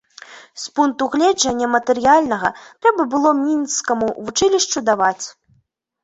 З пункту гледжання матэрыяльнага, трэба было мінскаму вучылішчу даваць.